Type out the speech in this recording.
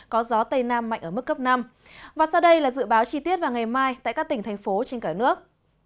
có gió tây nam mạnh ở mức cấp năm và sau đây là dự báo chi tiết vào ngày mai tại các tỉnh thành phố trên cả nước